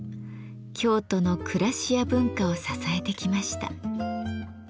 京都の暮らしや文化を支えてきました。